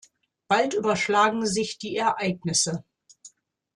Bald überschlagen sich die Ereignisse.